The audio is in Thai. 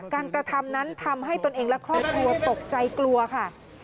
กระทำนั้นทำให้ตนเองและครอบครัวตกใจกลัวค่ะ